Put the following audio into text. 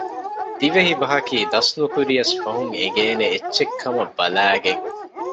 ދިވެހިބަހަކީ ދަސްނުކުރިޔަސް ފަހުން އެނގޭނެ އެއްޗެއްކަމަށް ބަލައިގެން